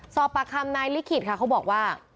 สอบปากคำนายลิขิตค่ะเขาบอกว่า